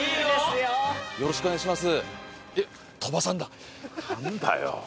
よろしくお願いします。